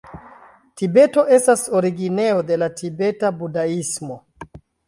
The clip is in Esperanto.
Tibeto estas originejo de la tibeta budaismo.